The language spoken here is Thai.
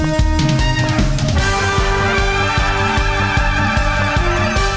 สวัสดีค่ะ